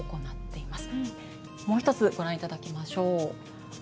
もう一つご覧いただきましょう。